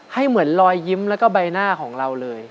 ให้เหมือนรอยยิ้มแล้วก็ใบหน้าของเราเลย